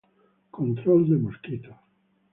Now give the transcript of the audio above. Control de mosquitos